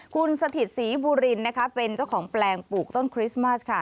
คุณสถิตศรีบุรินนะคะเป็นเจ้าของแปลงปลูกต้นคริสต์มัสค่ะ